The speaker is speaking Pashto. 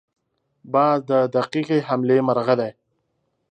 باز د دقیقې حملې مرغه دی